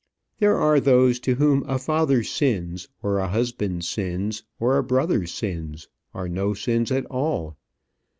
There are those to whom a father's sins, or a husband's sins, or a brother's sins are no sins at all.